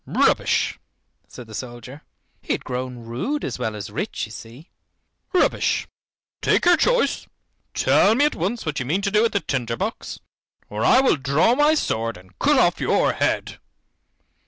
"Rubbish!" said the soldier. He had grown rude as well as rich, you see. "Rubbish take your choice tell me at once what you mean to do with the tinker box, or I will draw my sword and cut off your head."